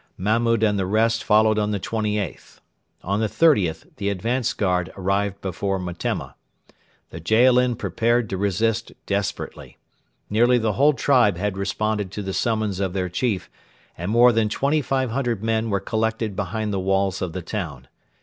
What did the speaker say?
Mahmud and the rest followed on the 28th. On the 30th the advanced guard arrived before Metemma. The Jaalin prepared to resist desperately. Nearly the whole tribe had responded to the summons of their chief, and more than 2,500 men were collected behind the walls of the town.